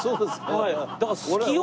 はい。